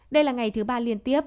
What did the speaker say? đây là ngày thứ ba liên tiếp